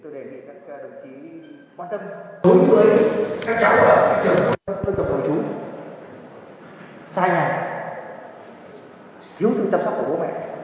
thứ nhất là thiếu sự chăm sóc của bố mẹ